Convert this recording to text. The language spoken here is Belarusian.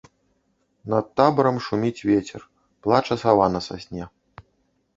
Над табарам шуміць вецер, плача сава на сасне.